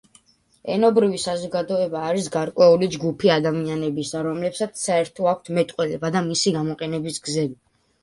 ენობრივი საზოგადოება არის გარკვეული ჯგუფი ადამიანებისა, რომლებსაც საერთო აქვთ მეტყველება და მისი გამოყენების გზები.